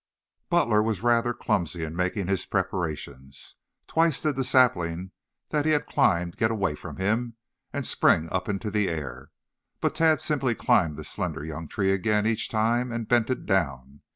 Butler was rather clumsy in making his preparations. Twice did the sapling that he had climbed get away from him and spring up into the air, but Tad simply climbed the slender young tree again each time and bent it down.